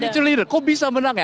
the future leader kok bisa menang ya